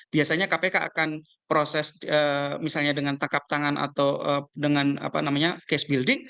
biasanya kpk akan proses misalnya dengan tangkap tangan atau dengan case building